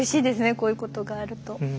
こういうことがあると。